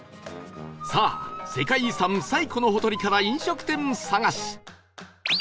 さあ世界遺産西湖のほとりから飲食店探し